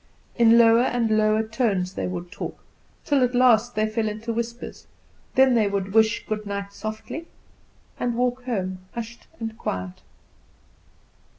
In lower and lower tones they would talk, till at last they fell into whispers; then they would wish good night softly, and walk home hushed and quiet.